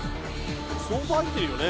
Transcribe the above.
相当入ってるよね。